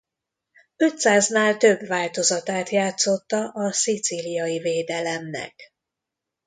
Ötszáznál több változatát játszotta a szicíliai védelemnek.